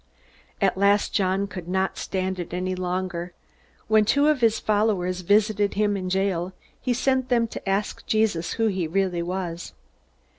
At last John could not stand it any longer. When two of his followers visited him in jail, he sent them to ask Jesus who he really was.